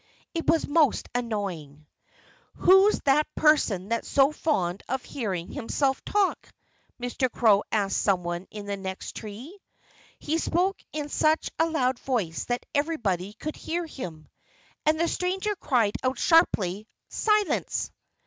It was most annoying. "Who's that person that's so fond of hearing himself talk?" Mr. Crow asked someone in the next tree. He spoke in such a loud voice that everybody could hear him. And the stranger cried out sharply: "Silence!"